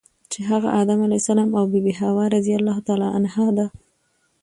چی هغه ادم علیه السلام او بی بی حوا رضی الله عنها ده .